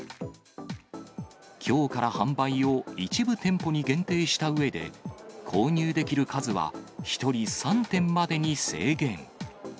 きょうから販売を一部店舗に限定したうえで、購入できる数は１人３点までに制限。